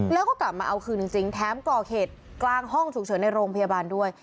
แล้วก็กลับมาเอาคืนจริงแถมก่อเหตุกลางห้องฉุกเฉินในโรงพยาบาลด้วย